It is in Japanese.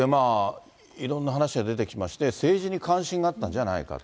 いろんな話が出てきまして、政治に関心があったんじゃないかと。